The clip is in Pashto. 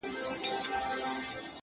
o کله شات کله شکري پيدا کيږي؛